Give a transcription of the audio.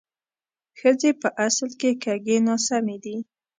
ښځې په اصل کې کږې ناسمې دي